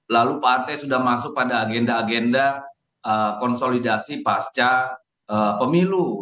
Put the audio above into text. lalu partai sudah masuk pada agenda agenda konsolidasi pasca pemilu